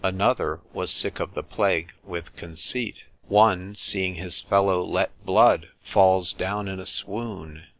Another was sick of the plague with conceit. One seeing his fellow let blood falls down in a swoon.